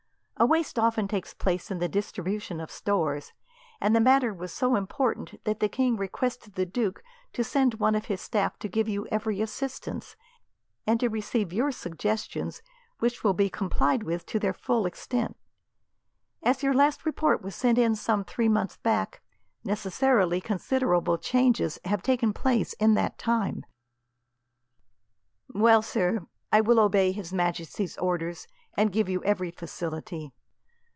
A waste often takes place in the distribution of stores, and the matter was so important that the king requested the duke to send one of his staff to give you every assistance, and to receive your suggestions, which will be complied with to their full extent. As your last report was sent in some three months back, necessarily considerable changes have taken place, in that time." "Well, sir, I will obey His Majesty's orders, and give you every facility.